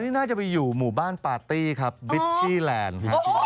นี่น่าจะไปอยู่หมู่บ้านปาร์ตี้ครับบิชชี่แลนด์